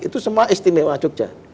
itu semua istimewa jogja